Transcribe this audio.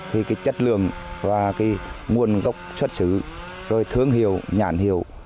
thì cái chất lượng và cái nguồn gốc xuất xứ rồi thương hiệu nhãn hiệu